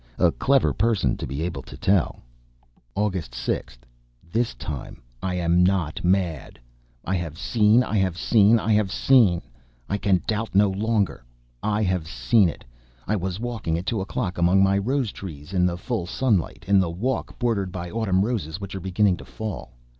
A clever person, to be able to tell. August 6th. This time I am not mad. I have seen ... I have seen ... I have seen!... I can doubt no longer ... I have seen it!... I was walking at two o'clock among my rose trees, in the full sunlight ... in the walk bordered by autumn roses which are beginning to fall.